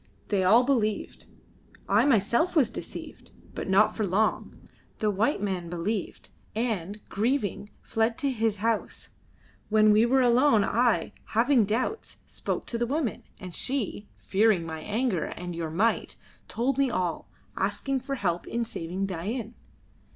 They all believed; I myself was deceived, but not for long. The white man believed, and, grieving, fled to his house. When we were alone I, having doubts, spoke to the woman, and she, fearing my anger and your might, told me all, asking for help in saving Dain."